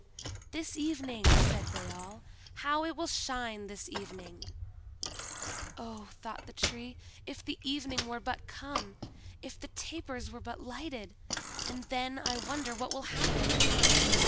"This evening!" said they all; "how it will shine this evening!" "Oh," thought the Tree, "if the evening were but come! If the tapers were but lighted! And then I wonder what will happen!